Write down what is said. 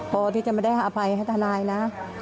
พอที่จะไม่ได้อภัยให้ทนายนะ